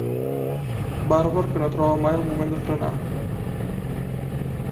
Bàrbar que no troba mai el moment de frenar.